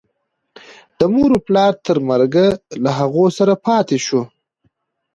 د مور و پلار تر مرګه له هغو سره پاتې شو.